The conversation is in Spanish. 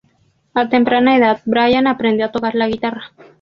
A temprana edad, Brian aprendió a tocar la guitarra.